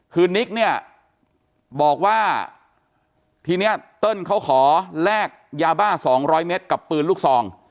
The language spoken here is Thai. คือนิกเนี่ยบอกว่าทีนี้เติ้ลเขาขอแลกยาบ้า๒๐๐เมตรกับปืนลูกซอง